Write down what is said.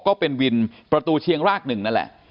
ก็เป็นวินประตูเชียงรากหนึ่งนั่นแหละ